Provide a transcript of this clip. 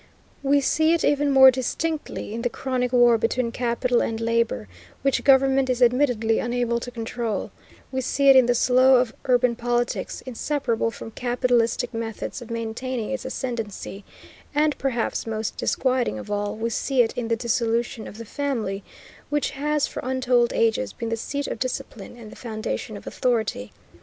We see it even more distinctly in the chronic war between capital and labor, which government is admittedly unable to control; we see it in the slough of urban politics, inseparable from capitalistic methods of maintaining its ascendancy; and, perhaps, most disquieting of all, we see it in the dissolution of the family which has, for untold ages, been the seat of discipline and the foundation of authority.